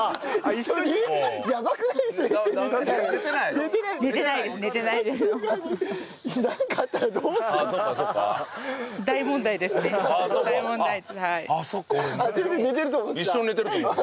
一緒に寝てると思った。